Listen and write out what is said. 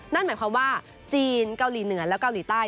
นั่นหมายความว่าจีนเกาหลีเหนือและเกาหลีใต้